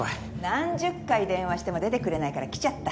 何十回電話しても出てくれないから来ちゃった。